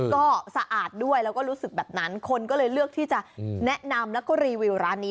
ก็สะอาดด้วยแล้วก็รู้สึกแบบนั้นคนก็เลยเลือกที่จะแนะนำแล้วก็รีวิวร้านนี้